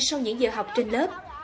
sau những giờ học trên lớp